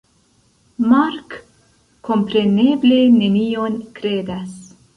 Mark kompreneble nenion kredas.